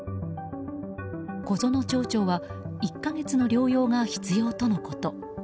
小園町長は１か月の療養が必要とのこと。